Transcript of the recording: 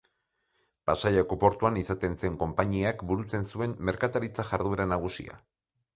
Pasaiako portuan izaten zen konpainiak burutzen zuen merkataritza jarduera nagusia.